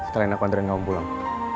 kalian aku antren ke om pulang